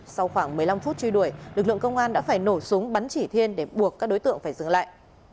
sau khoảng một mươi năm phút truy đuổi lực lượng công an đã phải nổ súng bắn chỉ thiên để buộc các đối tượng phải dừng lại